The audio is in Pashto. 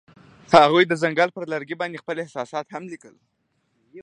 هغوی د ځنګل پر لرګي باندې خپل احساسات هم لیکل.